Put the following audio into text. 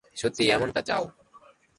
সত্যিই এমনটা চাও?